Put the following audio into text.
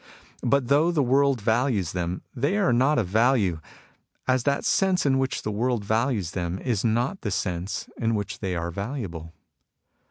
But though the world values them, they are not of value ; as that sense in which the world values them is not the sense in which they are valuable.